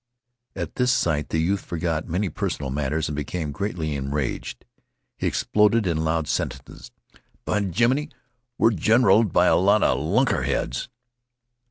At this sight the youth forgot many personal matters and became greatly enraged. He exploded in loud sentences. "B'jiminey, we're generaled by a lot 'a lunkheads."